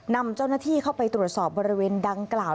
นำเจ้าหน้าที่เข้าไปตรวจสอบบริเวณดังกล่าว